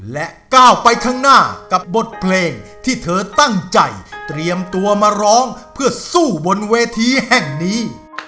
และก้าวไปข้างหน้ากับบทเพลงที่เธอตั้งใจเตรียมตัวมาร้องเพื่อสู้บนเวทีแห่งนี้